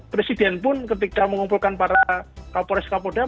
presiden pun ketika mengumpulkan para kapolres kapolda